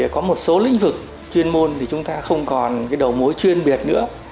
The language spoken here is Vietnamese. có một số lĩnh vực chuyên môn thì chúng ta không còn đầu mối chuyên biệt nữa